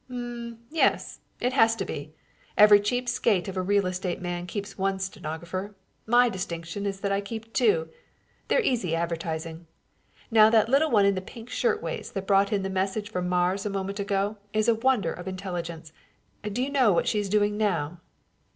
"Um, yes. It has to be. Every cheap skate of a real estate man keeps one stenographer. My distinction is that I keep two. They're easy advertising. Now that little one in the pink shirt waist that brought in the message from Mars a moment ago is a wonder of intelligence. Do you know what she's doing now?"